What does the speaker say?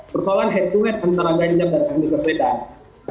persoalan head to head antara ganjak dan kandungan perbedaan